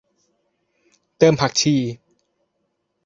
เติมผักชี